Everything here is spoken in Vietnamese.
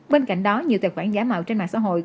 bên cạnh đó nhiều tài khoản giả mạo trên mạng xã hội